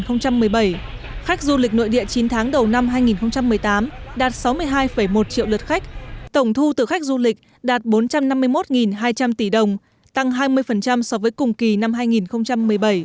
khách du lịch nội địa chín tháng đầu năm hai nghìn một mươi tám đạt sáu mươi hai một triệu lượt khách tổng thu từ khách du lịch đạt bốn trăm năm mươi một hai trăm linh tỷ đồng tăng hai mươi so với cùng kỳ năm hai nghìn một mươi bảy